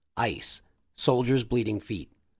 — Ice — Soldier's bleeding feet.